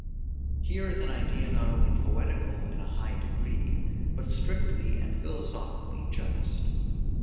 Here is an idea not only poetical in a high degree, but strictly and philosophically just.